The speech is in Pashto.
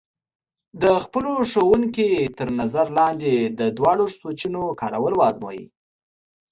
د خپلو ښوونکي تر نظر لاندې د دواړو سویچونو کارول وازموئ.